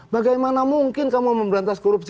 bagaimana mungkin kamu memberantas korupsi